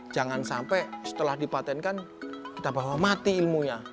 jangan sampai setelah dipatenkan kita bawa mati ilmunya